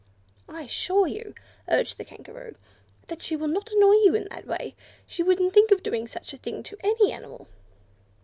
"I assure you," urged the Kangaroo, "that she will not annoy you in that way. She wouldn't think of doing such a thing to any animal."